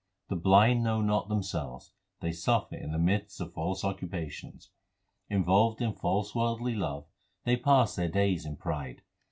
The blind know not themselves ; they suffer in the midst of false occupations. Involved in false worldly love they pass their days in pride.